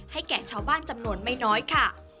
แก่ชาวบ้านจำนวนไม่น้อยค่ะ